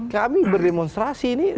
kami berdemonstrasi ini